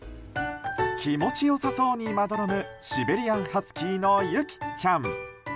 気持ちよさそうにまどろむシベリアンハスキーのユキちゃん。